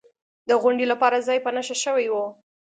د غونډې لپاره ځای په نښه شوی و.